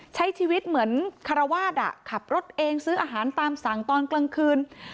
ใช้ชีวิตเหมือนคารวาสขับรถเองซื้ออาหารตามสั่งตอนกลางคืน